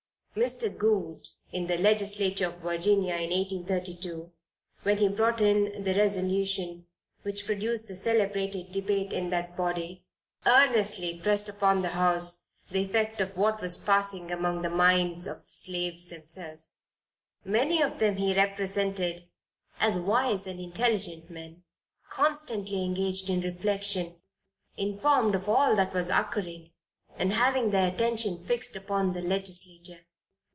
Mr. Goode, in the legislature of Virginia in 1832, when he brought in the resolution which produced the celebrated debate in that body, "earnestly pressed upon the House, the effect of what was passing upon the minds of the slaves themselves. Many of them he represented as wise and intelligent men, constantly engaged in reflection, informed of all that was occurring, and having their attention fixed upon the Legislature."